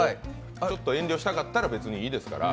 ちょっと遠慮したかったら別にいいですから。